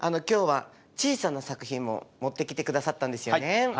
今日は小さな作品も持ってきてくださったんですよね。